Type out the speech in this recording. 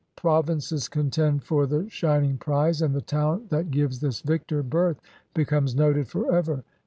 Prov inces contend for the shining prize, and the town that gives this victor birth becomes noted forever.